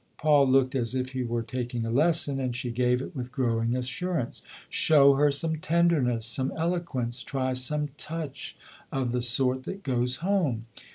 Paul looked as if he were taking a lesson, and she gave it with growing assurance. " Show her some tenderness, some eloquence, try some touch of the sort that goes home.